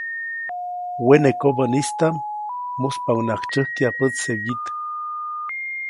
Wene kobädaʼm muspaʼuŋnaʼajk tsyäjkya pätse wyit.